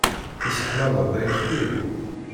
Tesseḥmaḍ-d ayefki?